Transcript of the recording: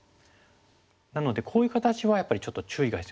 なのでこういう形はやっぱりちょっと注意が必要なんです。